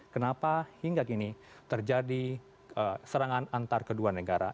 kenapa hingga kini terjadi serangan antar kedua negara